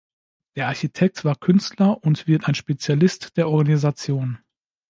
Der Architekt war Künstler und wird ein Spezialist der Organisation“.